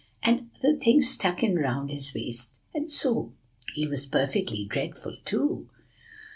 and other things stuck in round his waist, so he was perfectly dreadful too.